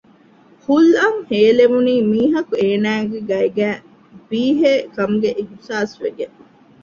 ހުލް އަށް ހޭލެވުނީ މީހަކު އޭނާގެ ގައިގައި ބީހޭ ކަމުގެ އިހުސާސްވެގެން